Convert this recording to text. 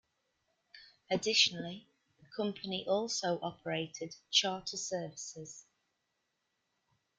Additionally, the company also operated charter services.